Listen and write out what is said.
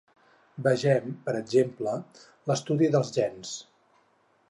Vegem, per exemple, l'estudi dels gens.